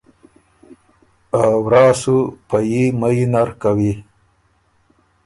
ا ورا سُو پئ يي مئ نر کوی۔